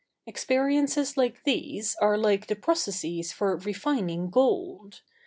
Experiences like these are like the processes for refining gold.